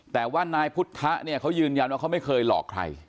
แต่ว่านายพุทธะเนี่ยเขายืนยันว่าเขาไม่เคยหลอกใคร